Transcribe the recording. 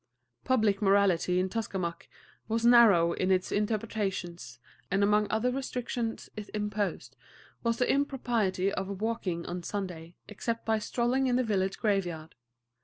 Public morality in Tuskamuck was narrow in its interpretations, and among other restrictions it imposed was the impropriety of walking on Sunday except by strolling in the village graveyard.